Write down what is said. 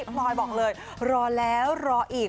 พลอยบอกเลยรอแล้วรออีก